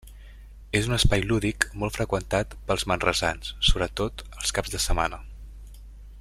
És un espai lúdic molt freqüentat pels manresans, sobretot els caps de setmana.